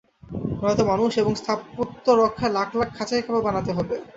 নয়তো মানুষ এবং স্থাপত্য রক্ষায় লাখ লাখ খাঁচাই কেবল বানাতে হবে।